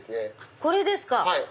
これですか。